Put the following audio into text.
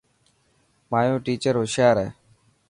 مايو ٽيچر هوشيار هي.